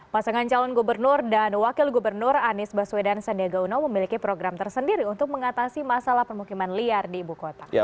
pasangan calon gubernur dan wakil gubernur anies baswedan sandiaga uno memiliki program tersendiri untuk mengatasi masalah permukiman liar di ibu kota